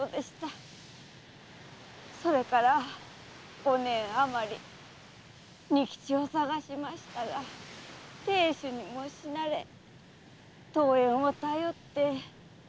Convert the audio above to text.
それから五年あまり仁吉を捜しましたが亭主にも死なれ遠縁を頼って江戸へ参りました。